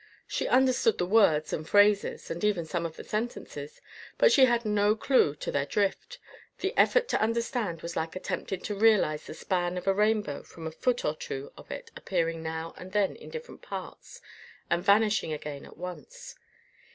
She understood the words and phrases, and even some of the sentences, but as she had no clue to their drift, the effort to understand was like attempting to realize the span of a rainbow from a foot or two of it appearing now and then in different parts and vanishing again at once.